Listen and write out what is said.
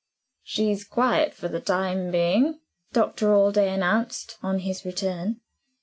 "She's quiet, for the time being," Dr. Allday announced, on his return.